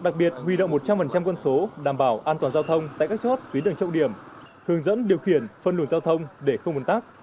đặc biệt huy động một trăm linh quân số đảm bảo an toàn giao thông tại các chốt tuyến đường trọng điểm hướng dẫn điều khiển phân luồng giao thông để không ồn tắc